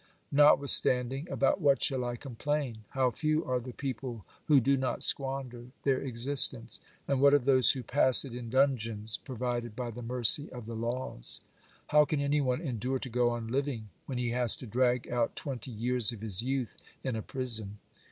Notwithstanding, about what shall I complain ? How few are the people who do not squander their existence? And what of those who pass it in OBERMANN 49 dungeons provided by the mercy of the laws ? How can any one endure to go on living when he has to drag out twenty years of his youth in a prison